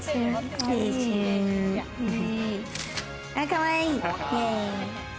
かわいい！